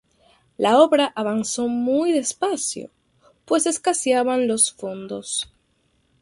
La obra avanzó muy despacio, pues escaseaban los fondos.